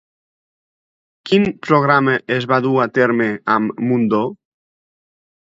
Quin programa es va dur a terme amb Mundó?